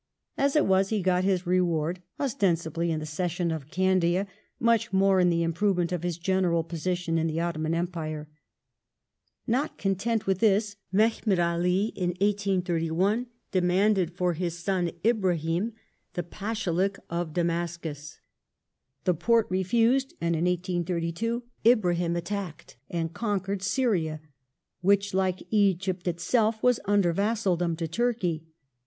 As it was he got his reward, ostensibly in the cession of Candia, much more in the improvement of his general position in the Ottoman Empire. Not content with this, Mehemet Ali in 1831 demanded for his son Ibrahim the Pashalik of Damascus. The Porte refused, and in 1832 Ibrahim attacked and conquered Syria, which, like Egypt itself, was under vassaldom to Turkey.